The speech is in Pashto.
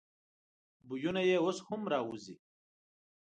بویونه یې اوس هم راوزي.